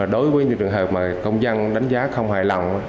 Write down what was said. đối với những trường hợp mà công dân đánh giá không hài lòng